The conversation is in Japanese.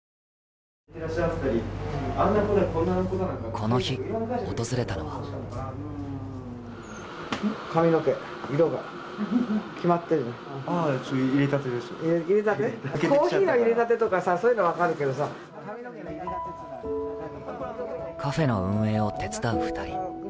この日、訪れたのはカフェの運営を手伝う２人。